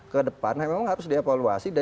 kedepan memang harus diavaluasi